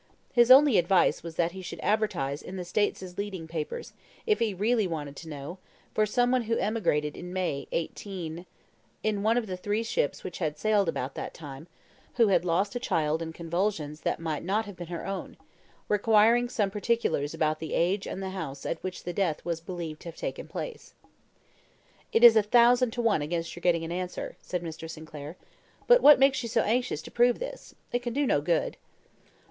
His only advice was that he should advertise in the States' leading papers, if he really wanted to know, for some one who emigrated in May 18 , in one of the three ships which had sailed about that time, who had lost a child in convulsions that might not have been her own; requiring some particulars about the age and the house at which the death was believed to have taken place. "It is a thousand to one against your getting an answer," said Mr. Sinclair. "But what makes you so anxious to prove this? It can do no good."